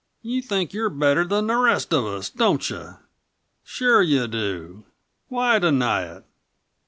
"You think you're better than the rest of us, don't you? Sure you do. Why deny it?